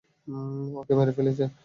ওকে মেরে ফেলেছে।